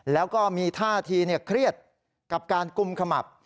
แล้วก็มีท่าทีเครียดกับการกุมขมับ